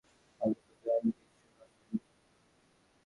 নিজের আত্মার কথা আমি যত অল্প ভাবিব, ততই আমি বিশ্বব্যাপী আত্মার নিকটতর হইব।